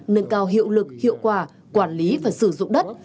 nâng cao hiệu lực hiệu quả quản lý và sử dụng đất